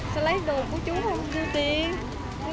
sao lấy đồ của chú không đưa tiền